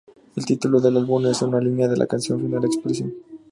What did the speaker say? El título del álbum es una línea de la canción "Final Expression".